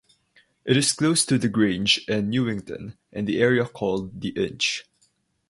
It is close to The Grange and Newington and the area called the Inch.